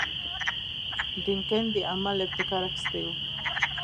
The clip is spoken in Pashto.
ډنکن د عمل ابتکار اخیستی وو.